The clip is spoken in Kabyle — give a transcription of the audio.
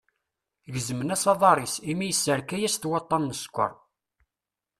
Gezmen-as aṭar-is, imi ysserka-as-t waṭṭan n ssker.